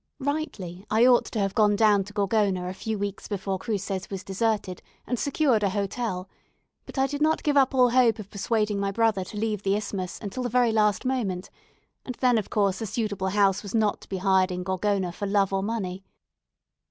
Rightly, I ought to have gone down to Gorgona a few weeks before Cruces was deserted, and secured an hotel; but I did not give up all hope of persuading my brother to leave the Isthmus until the very last moment, and then, of course, a suitable house was not to be hired in Gorgona for love or money.